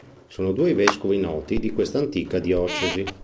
Sono due i vescovi noti di questa antica diocesi.